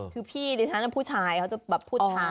คือพี่ดิฉันผู้ชายเขาจะแบบพูดช้า